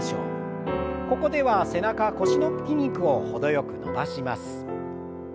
ここでは背中腰の筋肉を程よく伸ばします。